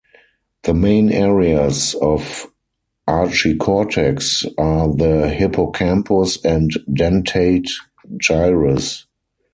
The main areas of archicortex are the hippocampus and dentate gyrus.